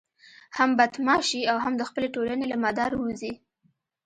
هم بدماش شي او هم د خپلې ټولنې له مدار ووزي.